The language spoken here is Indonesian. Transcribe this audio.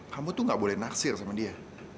kamu tuh gak boleh naksir sama dia